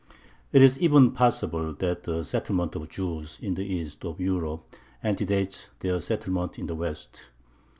It is even possible that the settlement of Jews in the east of Europe antedates their settlement in the west.